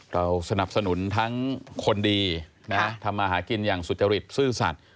เราสนับสนุนทั้งคนดีนะทำมาหากินอย่างสุจริตซื่อสัตว์